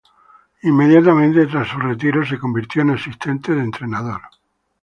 Inmediatamente tras su retiro, se convirtió en asistente de entrenador.